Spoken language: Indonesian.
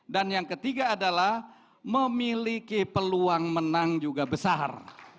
dan yang ketiga adalah memiliki peluang menang juga besar